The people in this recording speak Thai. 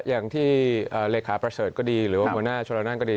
อย่างที่เลขาประเสริฐก็ดีหรือว่าหัวหน้าชลนั่นก็ดี